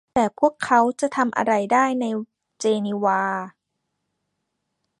แต่พวกเขาจะทำอะไรได้ในเจนีวา